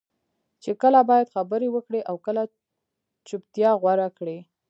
چې کله باید خبرې وکړې او کله چپتیا غوره کړې.